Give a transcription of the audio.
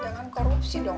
jangan korupsi dong